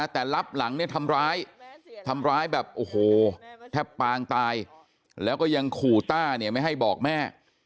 แต่รับหลังเนี่ยทำร้ายทำร้ายแบบโอ้โหแทบปางตายแล้วก็ยังขู่ต้าเนี่ยไม่ให้บอกแม่